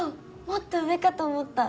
もっと上かと思った。